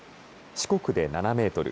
四国で７メートル